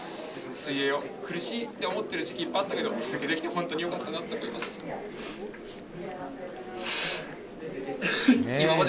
水泳を苦しいって思ってる時期、いっぱいあったけど、続けてきて本当によかったなと思います。